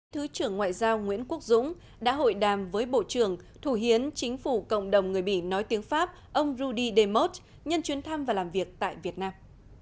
thứ trưởng ngoại giao nguyễn quốc dũng đã hội đàm với bộ trưởng thủ hiến chính phủ cộng đồng người bỉ nói tiếng pháp ông rudi demos nhân chuyến thăm và làm việc tại việt nam